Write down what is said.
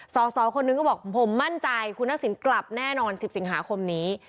สอสอคนนึงก็บอกผมมั่นใจคุณศิลป์กลับแน่นอนสิบสิงหาคมนี้